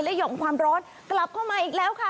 หย่อมความร้อนกลับเข้ามาอีกแล้วค่ะ